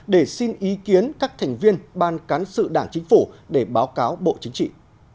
để xin ý kiến các thành viên ban cán sự đảng chính phủ để báo cáo bộ chính trị